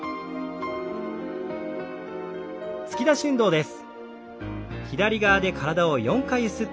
突き出し運動です。